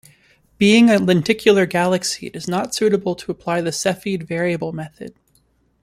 Being a lenticular galaxy, it is not suitable to apply the cepheid variable method.